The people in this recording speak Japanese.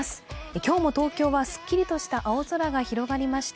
今日も東京はすっきりとした青空が広がりました。